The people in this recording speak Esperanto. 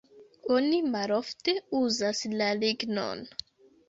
Oni malofte uzas la lignon.